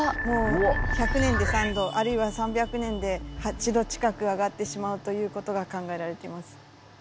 もう１００年で３度あるいは３００年で８度近く上がってしまうということが考えられています。